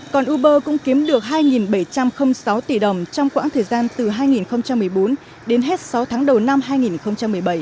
còn uber cũng kiếm được hai bảy trăm linh sáu tỷ đồng trong quãng thời gian từ hai nghìn một mươi bốn đến hết sáu tháng đầu năm hai nghìn một mươi bảy